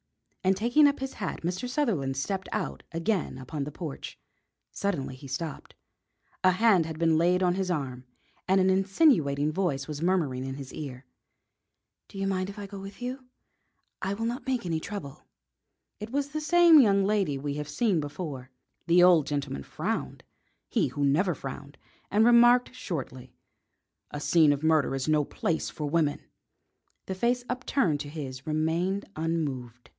And taking up his hat Mr. Sutherland stepped out again upon the porch. Suddenly he stopped. A hand had been laid on his arm and an insinuating voice was murmuring in his ear: "Do you mind if I go with you? I will not make any trouble." It was the same young lady we have seen before. The old gentleman frowned he who never frowned and remarked shortly: "A scene of murder is no place for women." The face upturned to his remained unmoved.